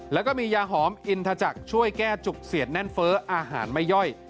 แล้วก็มียาหอมอินทจักรช่วยแก้จุกเสียดแน่นเฟ้ออาหารไม่ย่อย